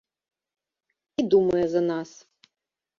І думае за нас.